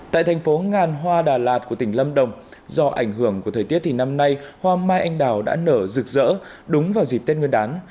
tại thành phố ngàn hoa đà lạt của tỉnh lâm đồng do ảnh hưởng của thời tiết thì năm nay hoa mai anh đào đã nở rực rỡ đúng vào dịp tết nguyên đán